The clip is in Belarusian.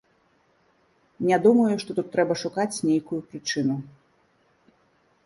Не думаю, што тут трэба шукаць нейкую прычыну.